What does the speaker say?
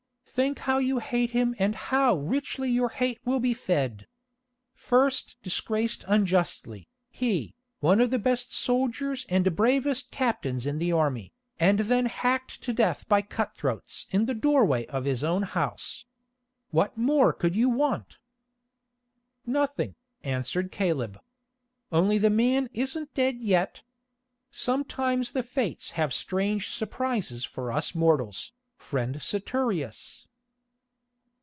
"Think how you hate him and how richly your hate will be fed. First disgraced unjustly, he, one of the best soldiers and bravest captains in the army, and then hacked to death by cutthroats in the doorway of his own house. What more could you want?" "Nothing," answered Caleb. "Only the man isn't dead yet. Sometimes the Fates have strange surprises for us mortals, friend Saturius."